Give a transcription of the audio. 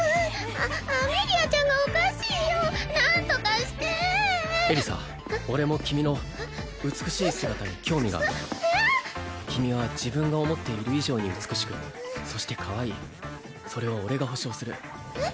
アアメリアちゃんがおかしいよ何とかしてエリサ俺も君の美しい姿に興味がある君は自分が思っている以上に美しくそしてかわいいそれは俺が保証するえっ？